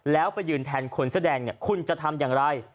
แล้วไปยืนแทนคนแสดงคุณจะทำอย่างไร